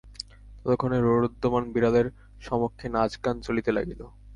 ততক্ষণে রোরুদ্যমান বিড়ালের সমক্ষে নাচগান চলিতে লাগিল।